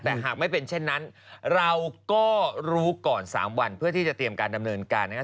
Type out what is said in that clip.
แต่หากไม่เป็นเช่นนั้นเราก็รู้ก่อน๓วันเพื่อที่จะเตรียมการดำเนินการนะครับ